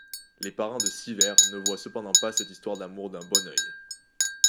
Les parents de Sivers ne voient cependant pas cette histoire d’amour d’un bon œil.